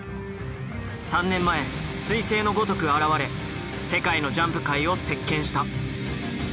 ３年前すい星のごとく現れ世界のジャンプ界を席けんした。